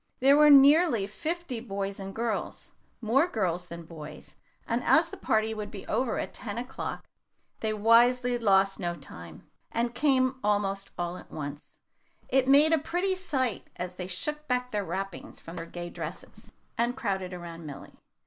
There were nearly fifty boys and girls more girls than boys and as the party would be over at ten o'clock, they wisely lost no time, and came almost all at once. It made a pretty sight as they shook back their wrappings from their gay dresses, and crowded around Milly.